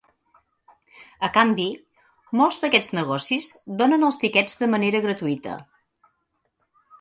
A canvi, molts d'aquests negocis donen els tiquets de manera gratuïta.